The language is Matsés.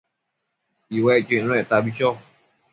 iuecquio icnuectabi cho